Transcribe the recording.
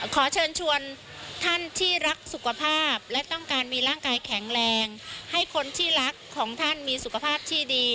ขอเชิญชวนท่านที่รักสุขภาพและต้องการมีร่างกายแข็งแรงให้คนที่รักของท่านมีสุขภาพที่ดี